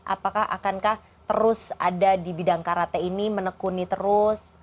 apakah akankah terus ada di bidang karate ini menekuni terus